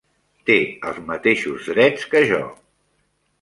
Té els mateixos drets que jo.